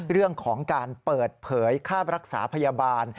เรื่องของการเปิดเผยค่ารักษาพยาบาล